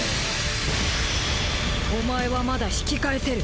お前はまだ引き返せる。